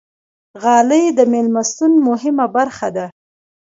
غالۍ د میلمستون مهمه برخه ده.